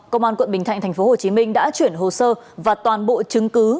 công an quận bình thạnh tp hcm đã chuyển hồ sơ và toàn bộ chứng cứ